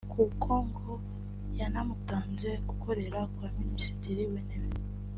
kuko ngo yanamutanze gukorera kwa Minisitiri w’Intebe